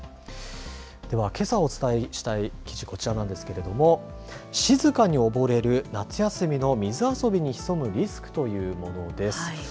では、けさお伝えしたい記事こちらなんですけれど静かに溺れる夏休みの水遊びに潜むリスクというものです。